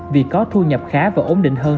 vì có thu nhập khá và ổn định hơn